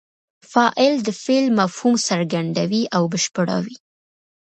فاعل د فعل مفهوم څرګندوي او بشپړوي.